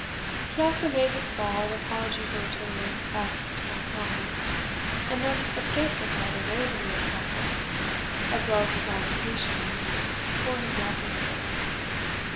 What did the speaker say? He also made his fall an apology for returning back to Monkbarns, and thus escape the farther raillery of his uncle, as well as his lamentations for his walking stick.